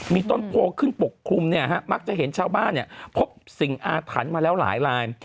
มีต้นโพขึ้นปกคลุมมักจะเห็นชาวบ้านพบสิ่งอาถรรพ์มาแล้วหลายลาย